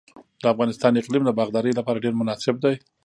د افغانستان اقلیم د باغدارۍ لپاره ډیر مناسب دی.